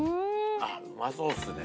あっうまそうっすね